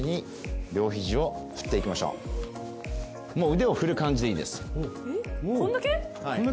腕を振る感じでいいです。